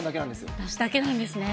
私だけなんですね。